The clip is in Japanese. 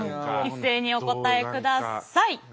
一斉にお答えください。